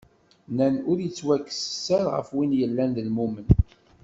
Nnan ur yettwakkes sser, ɣef win yellan d lmumen.